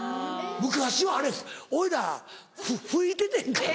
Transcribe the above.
昔はあれ俺ら吹いててんから。